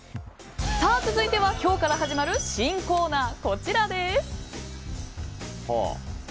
続いては今日から始まる新コーナー。